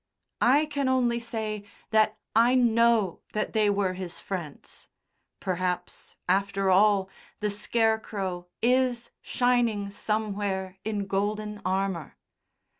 I can only say that I know that they were his friends; perhaps, after all, the Scarecrow is shining somewhere in golden armour.